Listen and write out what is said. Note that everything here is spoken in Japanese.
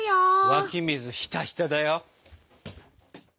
湧き水ひたひただよ！